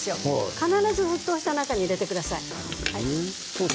必ず沸騰した中にささ身を入れてください。